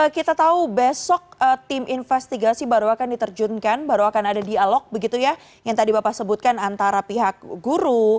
kita tahu besok tim investigasi baru akan diterjunkan baru akan ada dialog begitu ya yang tadi bapak sebutkan antara pihak guru